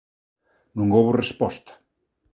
Non houbo resposta.